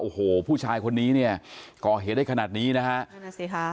โอ้โหผู้ชายคนนี้เนี่ยก่อเหตุได้ขนาดนี้นะฮะ